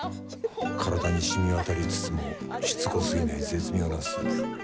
体にしみわたりつつもしつこすぎない絶妙なスープ。